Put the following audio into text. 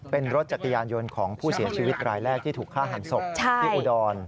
เป็นรถจักรยานยนต์ของผู้เสียชีวิตรายแรกที่ถูกฆ่าหันศพที่อุดร